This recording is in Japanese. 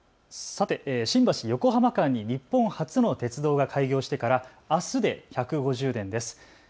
さて新橋・横浜間に日本初の鉄道が開業してからあすで１５０年です。